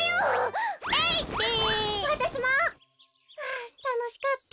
あたのしかった。